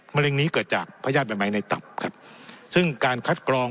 มะเร็งนี้เกิดจากพญาติใหม่ใหม่ในตับครับซึ่งการคัดกรอง